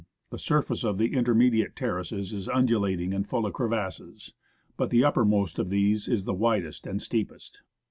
The surface of the intermediate terraces is undulating and full of crevasses ; but the uppermost of these is the widest and steepest.